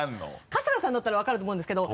春日さんだったら分かると思うんですけど。